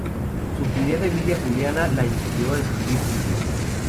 Su cuñada Emilia Juliana la inspiró a escribir himnos.